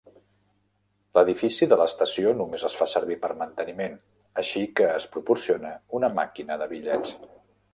L'edifici de l'estació només es fa servir per manteniment, així que es proporciona una maquina de bitllets.